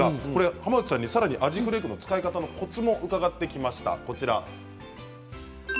浜内さんにアジフレークの使い方のコツも伺っていきました。